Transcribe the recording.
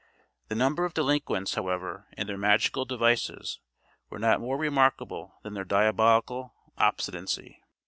The number of delinquents, however, and their magical devices, were not more remarkable than their diabolical obstinacy.